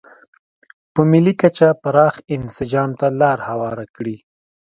په ملي کچه پراخ انسجام ته لار هواره کړي.